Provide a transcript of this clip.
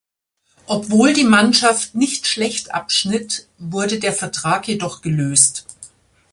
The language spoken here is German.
Obwohl die Mannschaft nicht schlecht abschnitt, wurde der Vertrag jedoch gelöst.